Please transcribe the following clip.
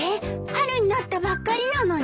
春になったばっかりなのに？